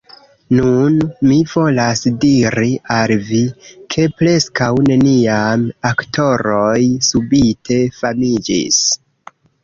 Nun, mi volas diri al vi, ke preskaŭ neniam aktoroj subite famiĝis.